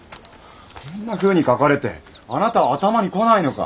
こんなふうに書かれてあなたは頭に来ないのか！